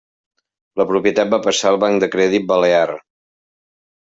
La propietat va passar al Banc de Crèdit Balear.